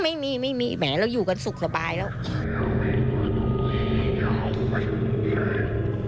ได้นำเรื่องราวมาแชร์ในโลกโซเชียลจึงเกิดเป็นประเด็นอีกครั้ง